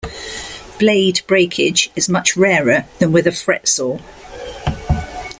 Blade breakage is much rarer than with a fretsaw.